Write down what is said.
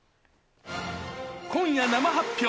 今夜生発表。